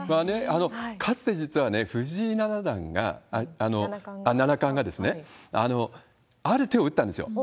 かつて、実はね、藤井七冠がある手を打ったんですよ。